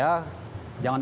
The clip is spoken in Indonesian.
jangan terlalu banyak